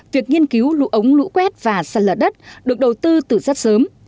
việc nghiên cứu lũ ống lũ quét và sạt lở đất được đầu tư từ rất sớm